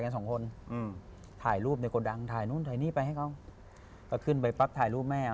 ก็นั่งคิดกันก็หลายหมอแล้วนะ